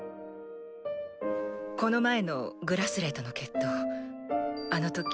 この前のグラスレーとの決闘あのとき。